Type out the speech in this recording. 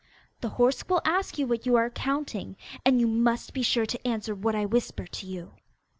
The horse will ask you what you are counting, and you must be sure to answer what I whisper to you.